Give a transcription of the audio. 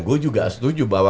saya juga setuju bahwa